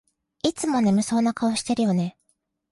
いつも眠そうな顔してるよね